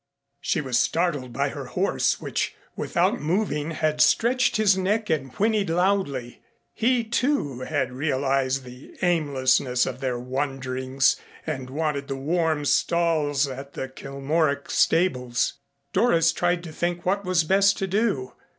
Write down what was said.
She was startled by her horse which, without moving, had stretched his neck and whinnied loudly. He, too, had realized the aimlessness of their wanderings and wanted the warm stalls at the Kilmorack stables. Doris tried to think what was best to do.